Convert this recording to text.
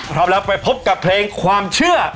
พร้อมแล้วไปพบกับเพลงความเชื่อ